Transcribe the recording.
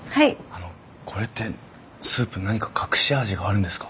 あのこれってスープ何か隠し味があるんですか？